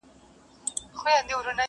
چي په ژوند کي یو څه غواړې